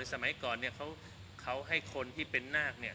สมัยก่อนเนี่ยเขาให้คนที่เป็นนาคเนี่ย